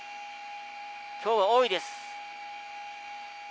今日は、多いです。